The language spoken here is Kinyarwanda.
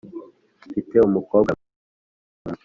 mfite umukobwa mwiza,